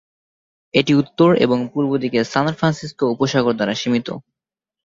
এটি উত্তর এবং পূর্ব দিকে সান ফ্রান্সিসকো উপসাগর দ্বারা সীমিত।